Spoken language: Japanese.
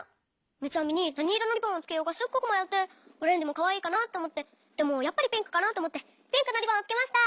みつあみになにいろのリボンをつけようかすっごくまよってオレンジもかわいいかなっておもってでもやっぱりピンクかなっておもってピンクのリボンをつけました。